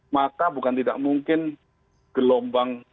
maka bukan tidak mungkin gelombang